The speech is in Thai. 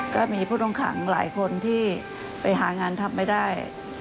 ก็มีผู้ต้องขังหลายคนที่ไปหางานทำไม่ได้